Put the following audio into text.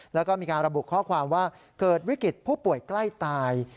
แล้วก็มีการระบุข้อความว่าเกิดวิกฤตผู้ป่วยใกล้ตาย